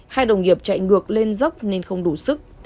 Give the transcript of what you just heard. hai đồng nghiệp chạy ngược lên dốc nên không đủ sức